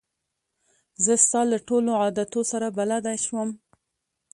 زه ستا له ټولو عادتو سره بلده شوم.